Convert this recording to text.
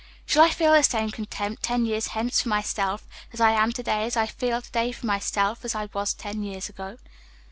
Shall I feel the same contempt ten years hence for myself as I am to day as I feel to day for myself as I was ten years ago?